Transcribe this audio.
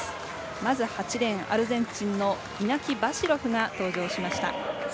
まず８レーン、アルゼンチンのイナキ・バシロフが登場しました。